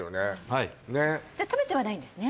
はいじゃ食べてはないんですね？